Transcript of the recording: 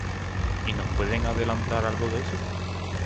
R: "¿Y nos puedes adelantar algo de eso?